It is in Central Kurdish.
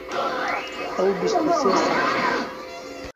ئەو بیست و سێ ساڵە.